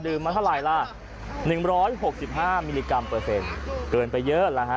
ดื่มมาเท่าไหร่ล่ะหนึ่งร้อยหกสิบห้ามิลลิกรัมเปอร์เซ็นต์เกินไปเยอะแล้วฮะ